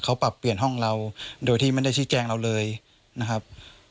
เขาปรับเปลี่ยนห้องเราโดยที่ไม่ได้ชี้แจงเราเลยนะครับ